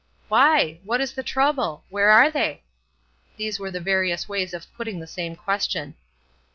"Why?" "What is the trouble?" "Where are they?" These were the various ways of putting the same question.